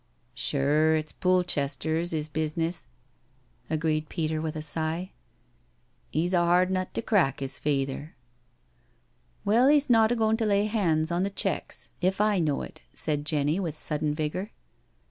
" Sure, it's Poolchester's 'is bizness," agreed Peter, with a sigh. '* '£'s a hard nut to crack is fayther." '* Well, he's not a goin' to lay hands on th' checks if I know it," said Jenny, with sudden vigour.